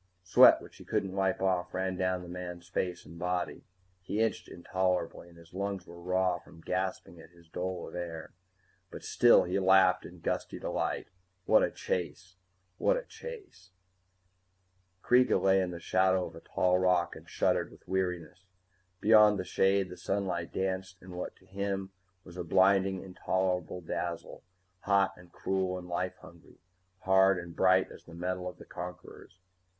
Sweat which he couldn't wipe off ran down the man's face and body. He itched intolerably, and his lungs were raw from gasping at his dole of air. But still he laughed in gusty delight. What a chase! What a chase! Kreega lay in the shadow of a tall rock and shuddered with weariness. Beyond the shade, the sunlight danced in what to him was a blinding, intolerable dazzle, hot and cruel and life hungry, hard and bright as the metal of the conquerors.